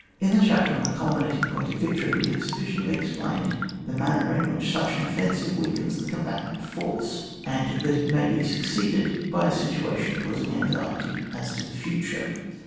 In the chapter on the culminating point of victory we have sufficiently ex plained the manner in which sudi an offensive weakens the combatant force, and that it may be succeeded by a situa tion causing anxiety as to the future.